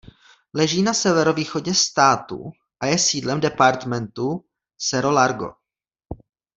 Leží na severovýchodě státu a je sídlem departementu Cerro Largo.